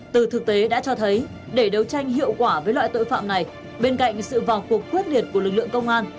từ thực tế đã cho thấy để đấu tranh hiệu quả với loại tội phạm này bên cạnh sự vào cuộc quyết liệt của lực lượng công an